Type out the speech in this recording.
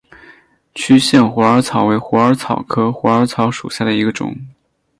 区限虎耳草为虎耳草科虎耳草属下的一个种。